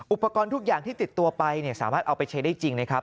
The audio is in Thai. อุปกรณ์ทุกอย่างที่ติดตัวไปสามารถเอาไปใช้ได้จริงนะครับ